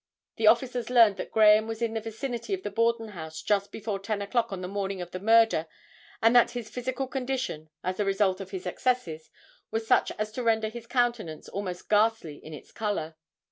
The officers learned that Graham was in the vicinity of the Borden house just before 10 o'clock on the morning of the murder and that his physical condition, as a result of his excesses, was such as to render his countenance almost ghastly in its color.